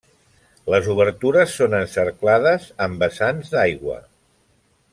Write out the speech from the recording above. Les obertures són encerclades amb vessants d'aigua.